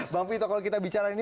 bang vito kalau kita bicara ini